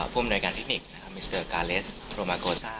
ผู้อำนวยการเทคนิคมิสเตอร์กาเลสโทรมาโกซ่า